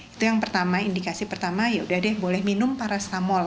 itu yang pertama indikasi pertama yaudah deh boleh minum parastamol